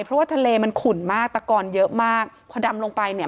เพราะว่าทะเลมันขุ่นมากตะกอนเยอะมากพอดำลงไปเนี่ย